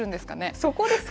そこですか？